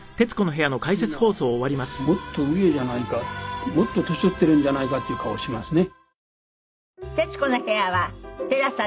みんなもっと上じゃないかもっと年取ってるんじゃないかっていう顔をしますね。